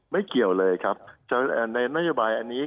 เกี่ยวเลยครับในนโยบายอันนี้